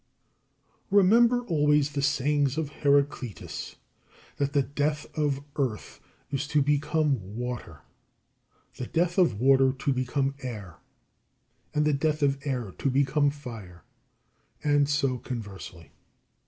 46. Remember always the sayings of Heraclitus: that the death of earth is to become water, the death of water to become air, and the death of air to become fire; and so conversely.